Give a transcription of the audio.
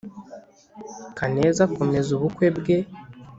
kaneza akomeza ubukwe bwe